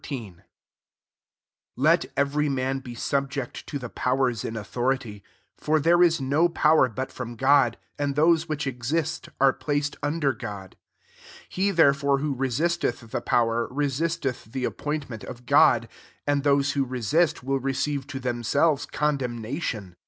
1 Let every man « ombjast to lAie ;pxmK9 *in authority : for there is no pow* er but from God; and those which exist are placed under God. 2 He therefore who re sisteth the power, resisteth the appointment of God ; and those who resist will receive to them selves condemnation.